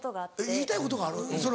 言いたいことがある？